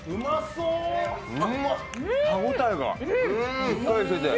歯応えがしっかりしてて。